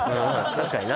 確かにな